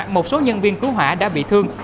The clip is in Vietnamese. một số nhân viên cứu hỏa đã bị thương